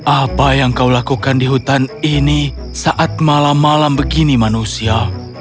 apa yang kau lakukan di hutan ini saat malam malam begini manusia